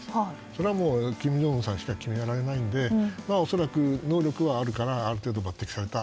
それは金正恩さんしか決められないので恐らく能力はあるのである程度、抜擢された。